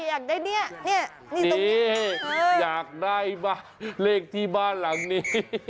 อยากได้เนี่ยนี่ตรงนี้อยากได้บ้างเลขที่บ้านหลังนี้